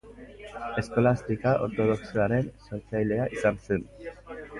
Eskolastika ortodoxoaren sortzailea izan zen.